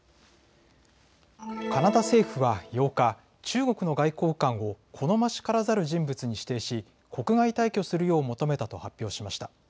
カナダ政府は８日、中国の外交官を好ましからざる人物に指定し国外退去するよう求めたと発表しました。